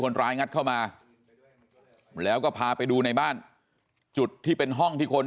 ร้ายงัดเข้ามาแล้วก็พาไปดูในบ้านจุดที่เป็นห้องที่คน